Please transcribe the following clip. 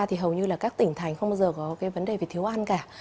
thì hầu như là các tỉnh thành không bao giờ có cái vấn đề về thiếu ăn cả